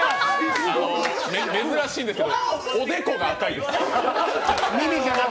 珍しいんですけどおでこが赤いです。